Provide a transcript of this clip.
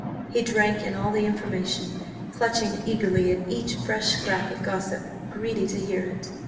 He drank in all the information, clutching eagerly at each fresh scrap of gossip, greedy to hear it.